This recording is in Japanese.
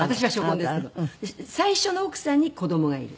最初の奥さんに子供がいる。